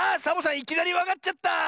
いきなりわかっちゃった！